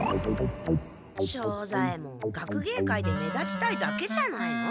庄左ヱ門学芸会で目立ちたいだけじゃないの？